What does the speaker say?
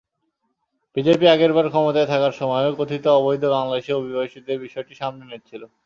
BJP আগেরবার ক্ষমতায় থাকার সময়ও কথিত অবৈধ বাংলাদেশি অভিবাসীদের বিষয়টি সামনে এনেছিল।